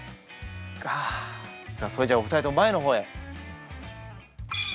それじゃあお二人とも前の方へ。